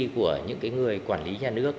của những người quản lý nhà nước